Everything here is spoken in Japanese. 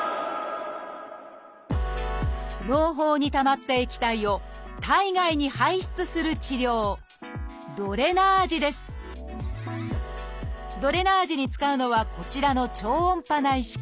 のう胞にたまった液体を体外に排出する治療ドレナージに使うのはこちらの「超音波内視鏡」